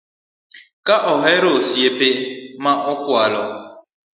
Ok ahero osiepe ma kwalo